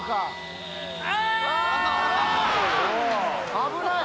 危ない！